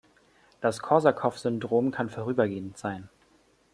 Das Korsakow-Syndrom kann vorübergehend sein.